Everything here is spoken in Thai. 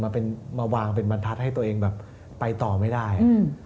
มาว่างเป็นบรรทัศน์ให้ตัวเองไปต่อไม่ได้